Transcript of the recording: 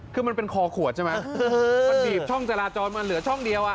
คือมันเป็นคอขวดใช่ไหมมันบีบช่องจราจรมาเหลือช่องเดียวอ่ะ